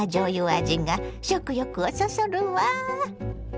味が食欲をそそるわ。